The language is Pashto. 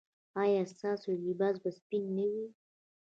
ایا ستاسو لباس به سپین نه وي؟